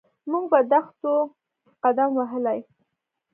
موږ په دښتو کې قدم وهلی.